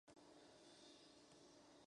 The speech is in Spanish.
Falleció en La Habana.